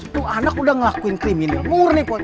tuh anak udah ngelakuin kriminal murni